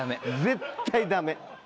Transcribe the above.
絶対ダメ。